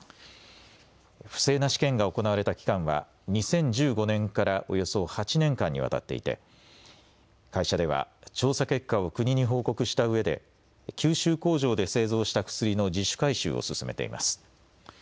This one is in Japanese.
不正な試験が行われた期間は２０１５年からおよそ８年間にわたっていて会社では調査結果を国に報告したうえで九州工場で製造した薬の自主回収を進めています。